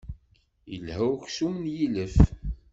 Ilha uksum n yilef.